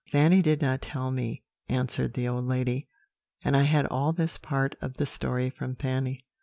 "Fanny did not tell me," answered the old lady, "and I had all this part of the story from Fanny.